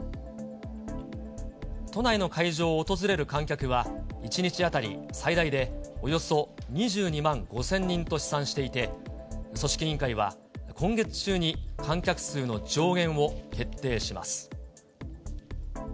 都内の会場を訪れる観客は、１日当たり最大でおよそ２２万５０００人と試算していて、組織委員会は、今月中に観客数の上限を決定します。